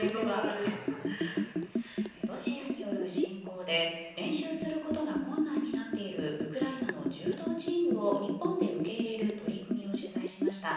ロシアによる侵攻で練習することが困難になっているウクライナの柔道チームを日本で受け入れる取り組みを取材しました。